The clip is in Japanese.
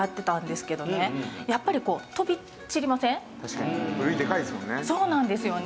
確かにふるいでかいですもんね。